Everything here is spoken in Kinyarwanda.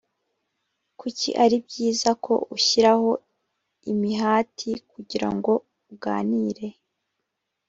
kuki ari byiza ko ushyiraho imihati kugira ngo uganire